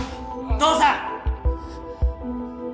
父さん！